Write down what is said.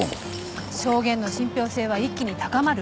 証言の信ぴょう性は一気に高まる。